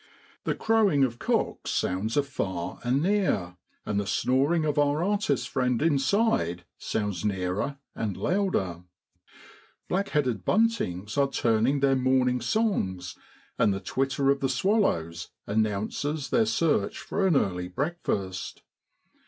The crowing of cocks sounds afar and near: and the snoring of our artist friend inside sounds nearer and louder. Black headed buntings are tuning their morning songs, and the twitter of the swallows announces their search for an early breakfast.